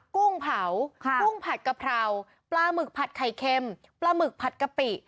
กุ้งเผากุ้งผัดกะเพราปลาหมึกผัดไข่เค็มปลาหมึกผัดกะปิ